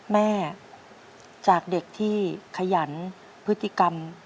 จากเด็กที่ขยันพฤติกรรม